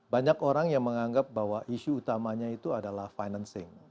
banyak orang yang menganggap bahwa isu utamanya itu adalah financing